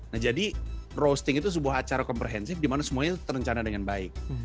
nah jadi roasting itu sebuah acara komprehensif di mana semuanya terencana dengan baik